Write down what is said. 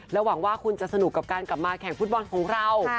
หวังว่าคุณจะสนุกกับการกลับมาแข่งฟุตบอลของเรา